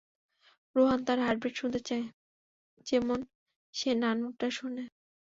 রেহান তার হার্টবিট শুনতে চায়, যেমন সে নানুর টা শুনে।